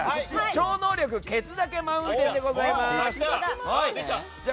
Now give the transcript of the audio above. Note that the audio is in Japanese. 超能力ケツ岳マウンテンでございます。